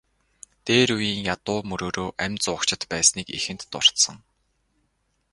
Дээр үеийн ядуу мөрөөрөө амь зуугчид байсныг эхэнд дурдсан.